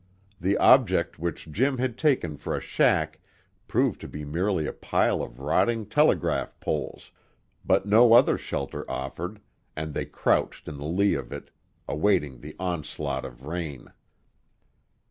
The object which Jim had taken for a shack proved to be merely a pile of rotting telegraph poles, but no other shelter offered, and they crouched in the lee of it, awaiting the onslaught of rain.